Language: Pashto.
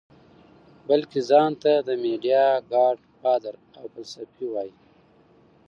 بلکه ځان ته د ميډيا ګاډ فادر او فلسفي وائي -